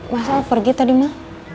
masal pergi tadi mah